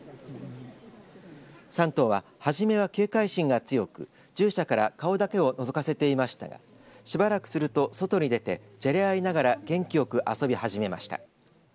３頭は初めは警戒心が強く獣舎から顔だけをのぞかせていましたがしばらくすると外に出てじゃれ合いながら元気よく遊び始めました。